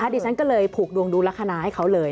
ดิฉันก็เลยผูกดวงดูลักษณะให้เขาเลย